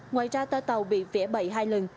ngoài ra toa tàu bị vẽ bậy hai lần